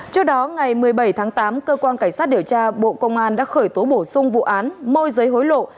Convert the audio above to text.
trước đó ngày một mươi bảy tháng tám cơ quan cảnh sát điều tra bộ công an đã khởi tố bổ sung vụ án môi giới hối lộ